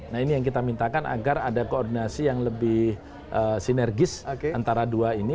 nah ini yang kita mintakan agar ada koordinasi yang lebih sinergis antara dua ini